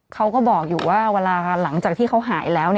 เขาก็บอกอยู่ว่าเวลาหลังจากที่เขาหายแล้ว